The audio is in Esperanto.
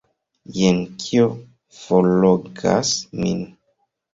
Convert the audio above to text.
Jen kio forlogas min!